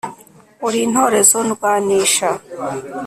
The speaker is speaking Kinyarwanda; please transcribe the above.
“ Uri intorezo ndwanisha